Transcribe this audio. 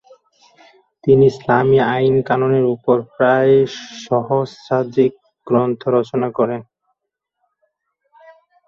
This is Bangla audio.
তিনি ইসলামী আইন-কানুনের উপর প্রায় সহস্রাধিক গ্রন্থ রচনা করেছেন।